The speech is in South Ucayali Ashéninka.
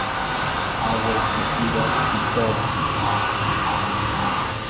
Awetzikiro pitotzi